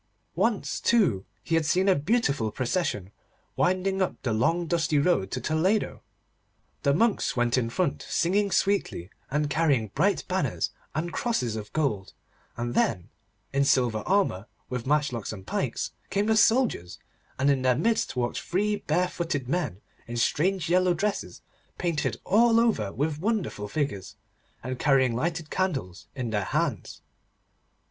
Once, too, he had seen a beautiful procession winding up the long dusty road to Toledo. The monks went in front singing sweetly, and carrying bright banners and crosses of gold, and then, in silver armour, with matchlocks and pikes, came the soldiers, and in their midst walked three barefooted men, in strange yellow dresses painted all over with wonderful figures, and carrying lighted candles in their hands.